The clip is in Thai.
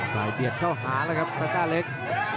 เบียดเข้าหาแล้วครับซาต้าเล็ก